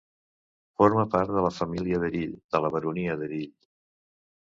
Forma part de la família d'Erill de la Baronia d'Erill.